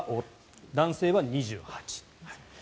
男性は２８ｋｇ。